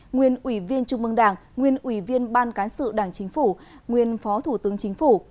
nguyên ủy viên trung mương đảng nguyên ủy viên ban cán sự đảng chính phủ nguyên phó thủ tướng chính phủ